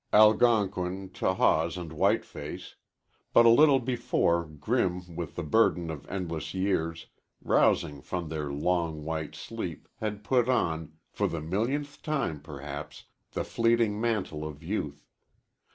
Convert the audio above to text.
Algonquin, Tahawus and Whiteface but a little before grim with the burden of endless years rousing from their long, white sleep, had put on, for the millionth time, perhaps, the fleeting mantle of youth.